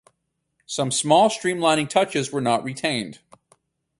Some small streamlining touches were not retained.